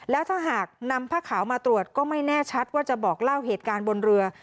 แล้วถ้าหากนำผ้าขาวมาตรวจก็ไม่แน่ชัดว่าจะบอกเล่าเหตุการณ์บนเรือ